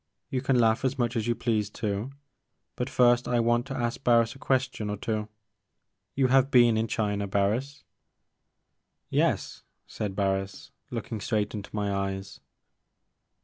You can laugh as much as you please too, but first I want to ask Barris a question or two. You have been in China, Barris?" The Maker of Moons. 35 "Yes/* said Bams, looking straight into my eyes.